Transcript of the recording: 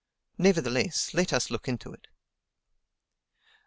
Nevertheless, let us look into it.